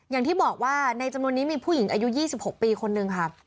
อย่างที่บอกว่าในจำนวนนี้มีผู้หญิงอายุ๒๖ปีคนนึงค่ะ